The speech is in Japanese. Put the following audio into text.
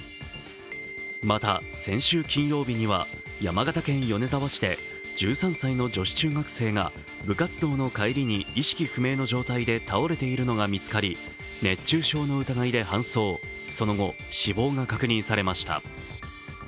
また、先週金曜日には山形県米沢市で１３歳の女子中学生が部活動の帰りに意識不明の状態で倒れているのが見つかり熱中症の疑いで搬送、その後、死亡が確認されました。